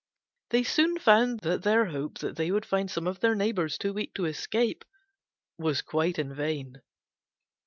They soon found that their hope that they would find some of their neighbors too weak to escape was quite in vain.